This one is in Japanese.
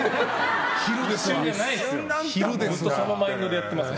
ずっとそのマインドでやってますよ。